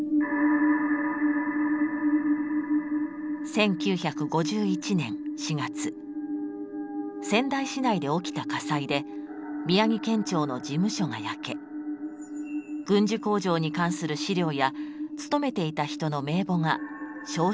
１９５１年４月仙台市内で起きた火災で宮城県庁の事務所が焼け軍需工場に関する資料や勤めていた人の名簿が焼失したというのです。